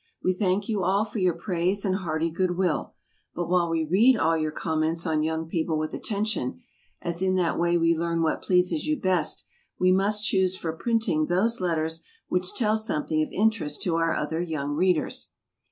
We thank you all for your praise and hearty goodwill, but while we read all your comments on Young People with attention, as in that way we learn what pleases you best, we must choose for printing those letters which tell something of interest to other young readers.